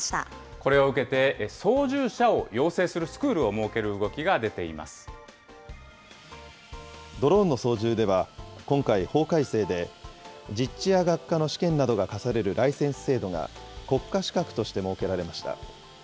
これを受けて、操縦者を養成するスクールを設ける動きが出てドローンの操縦では、今回、法改正で、実地や学科の試験などが課されるライセンス制度が、国家資格として設けられました。